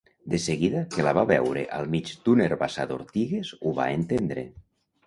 De seguida que la va veure al mig d'un herbassar d'ortigues ho va entendre.